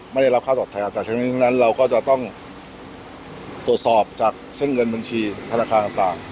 ไม่ได้รับค่าตอบแทนแต่ฉะนั้นเราก็จะต้องตรวจสอบจากเส้นเงินบัญชีธนาคารต่าง